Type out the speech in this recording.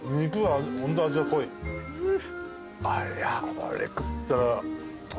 これ食ったら。